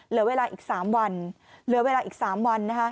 เหลือเวลาอีก๓วันเหลือเวลาอีก๓วัน